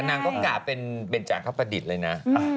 แต่นางก็กรรพเป็นจางข้าวผดิตเลยนะ